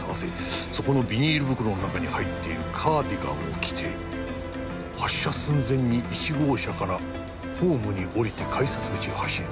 「そこのビニール袋の中に入っているカーディガンを着て発車寸前に１号車からホームに降りて改札口へ走れ。